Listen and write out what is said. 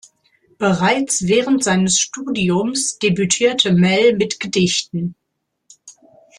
Bereits während seines Studiums debütierte Mell mit Gedichten.